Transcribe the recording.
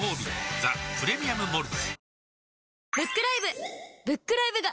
「ザ・プレミアム・モルツ」